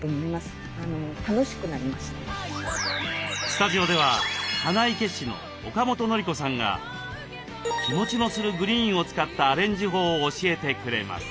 スタジオでは花生師の岡本典子さんが日もちのするグリーンを使ったアレンジ法を教えてくれます。